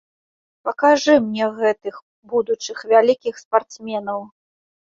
Пакажы мне гэтых будучых вялікіх спартсменаў.